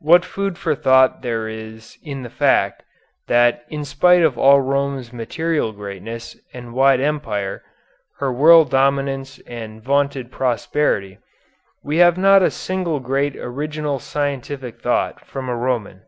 What food for thought there is in the fact, that in spite of all Rome's material greatness and wide empire, her world dominance and vaunted prosperity, we have not a single great original scientific thought from a Roman.